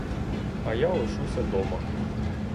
А я лишуся дома.